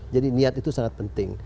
jadi niat itu sangat penting